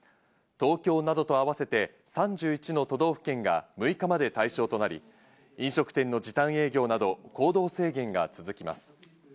東京などと合わせて３１の都道府県が６日まで対象となり、飲食店の時短営業など行動制限が続きます。